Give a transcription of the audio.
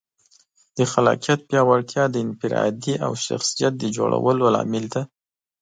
د خلاقیت پیاوړتیا د انفرادیت او شخصیت د جوړولو لامل ده.